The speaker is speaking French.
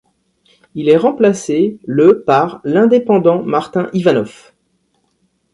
Il est remplacé le par l'indépendant Martin Ivanov.